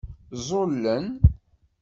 Ẓẓullen.